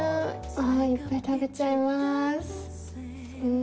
あぁ、いっぱい食べちゃいます。